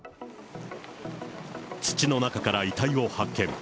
土の中から遺体を発見。